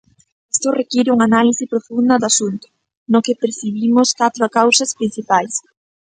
Isto require unha análise profunda do asunto, no que percibimos catro causas principais.